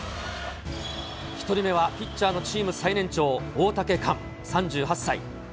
１人目はピッチャーのチーム最年長、大竹寛３８歳。